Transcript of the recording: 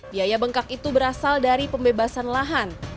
biaya bengkak itu berasal dari pembebasan lahan